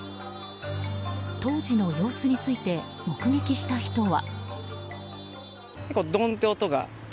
当時の様子について目撃した人は。